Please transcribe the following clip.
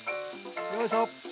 よいしょ！